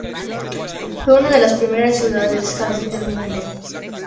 Fue unas de las primeras ciudades jardín del mundo.